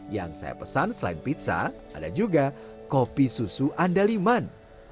yang saya pesan selain pizza ada juga kopi susu andaliman